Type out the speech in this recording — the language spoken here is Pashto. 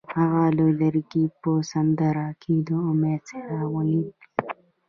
هغه د لرګی په سمندر کې د امید څراغ ولید.